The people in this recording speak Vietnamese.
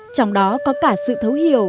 trong đó có cả sự thấu hiểu